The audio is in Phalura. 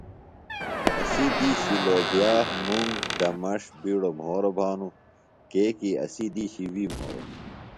اسی دِیشی لوبِیا، مُنگ، دمݜ بِیڈوۡ مھوروۡ بھانوۡ کیۡکی اسی دیشی وی مھورو۔